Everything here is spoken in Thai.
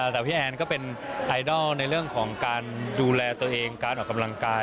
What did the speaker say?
แต่พี่แอนก็เป็นไอดอลในเรื่องของการดูแลตัวเองการออกกำลังกาย